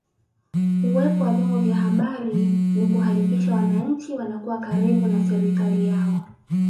Uwepo wa vyombo vya habari ni kuhakikisha wananchi wanakuwa karibu na serikali yao